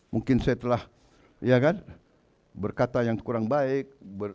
mungkin saya telah berkata yang kurang baik